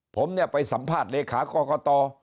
ผมเนี่ยไปสัมภาษณ์เลขากรกต